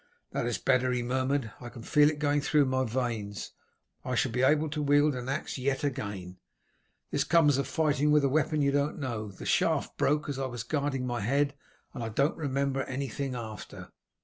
"That is better," he murmured. "I can feel it going through my veins. I shall be able to wield an axe yet again. This comes of fighting with a weapon you don't know. The shaft broke as I was guarding my head, and I don't remember anything after."